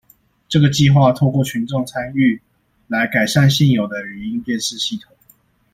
這個計畫透過群眾參與，來改善現有的語音辨識系統